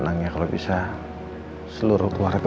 aku harus izin dulu deh ke mama rossa